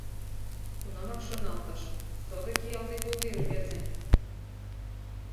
Тунамак шоналтыш: «Содыки алди-булди рвезе.